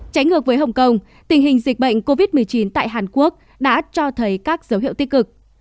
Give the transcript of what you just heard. tránh ngược với hồng kông tình hình dịch bệnh covid một mươi chín tại hàn quốc đã cho thấy các dấu hiệu tích cực